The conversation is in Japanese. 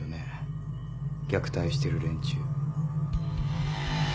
虐待してる連中。